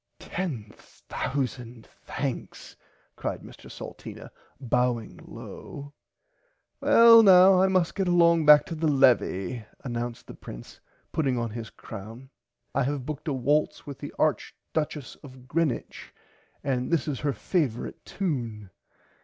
Ten thousand thanks cried Mr Salteena bowing low. Well now I must get along back to the levie announced the prince putting on his crown I have booked a valse with the Arch duchess of Greenwich and this is her favorite tune.